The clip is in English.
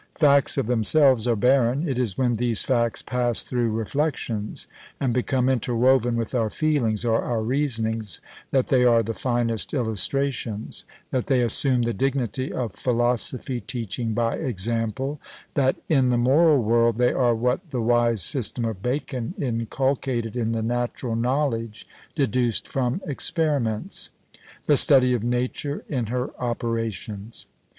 Facts of themselves are barren; it is when these facts pass through reflections, and become interwoven with our feelings, or our reasonings, that they are the finest illustrations; that they assume the dignity of "philosophy teaching by example;" that, in the moral world, they are what the wise system of Bacon inculcated in the natural knowledge deduced from experiments; the study of nature in her operations.